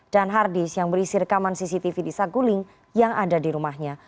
dan hard disk yang berisi rekaman cctv di saguling yang ada di rumahnya